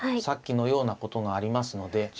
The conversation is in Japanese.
さっきのようなことがありますので。